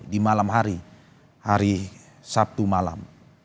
di malam hari hari sabtu malam